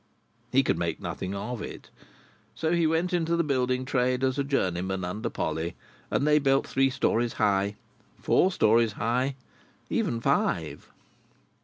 He could make nothing of it. So he went into the building trade as a journeyman under Polly, and they built three stories high, four stories high: even five.